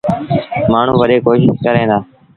مآڻهوٚݩ وڏيٚ ڪوشيٚش ڪريݩ دآ۔